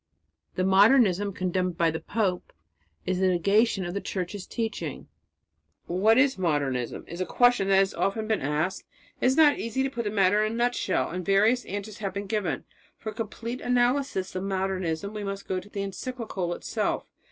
... The Modernism condemned by the pope is the negation of the Church's teaching." What is Modernism? is a question that has been often asked. It is not easy to put the matter in a nutshell, and various answers have been given. For a complete analysis of Modernism we must go to the encyclical itself.